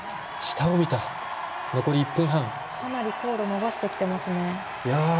かなり高度伸ばしてきていますね。